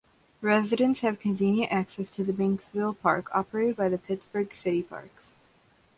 Residents have convenient access to the Banksville park, operated by the Pittsburgh Citiparks.